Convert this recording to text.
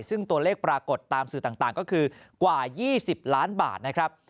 ซึ่งตัวเลขปรากฏตามสื่อต่างก็คือกว่า๒๐ล้านบาทนะครับ